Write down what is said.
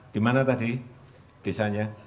di mana tadi desanya